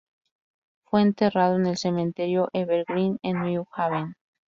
Fue enterrado en el cementerio Evergreen en New Haven.